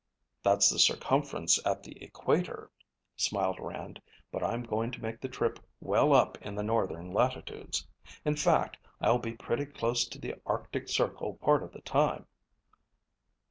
"That's the circumference at the equator," smiled Rand, "but I'm going to make the trip well up in the northern latitudes. In fact, I'll be pretty close to the Arctic circle part of the time."